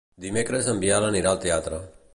Dimecres en Biel anirà al teatre.